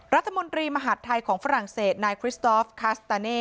รัฐมนตรีมหาดไทยของฝรั่งเศสนายคริสตอฟคาสตาเน่